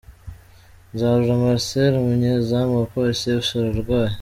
Nzarora Marcel umunyezamu wa Police Fc ararwaye .